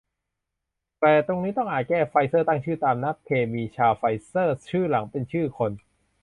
แต่ตรงนี้อาจต้องแก้ "ไฟเซอร์ตั้งชื่อตาม นักเคมี ชารล์ ไฟเซอร์" ชื่อหลังเป็นชื่อคน